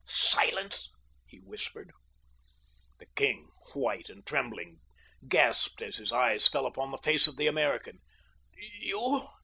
"Silence," he whispered. The king, white and trembling, gasped as his eyes fell upon the face of the American. "You?"